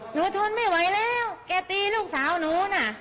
ทนไม่ไหวแล้วแกตีลูกสาวหนูน่ะ